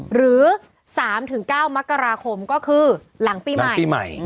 หรือ๓๙มกราคมก็คือหลังปีใหม่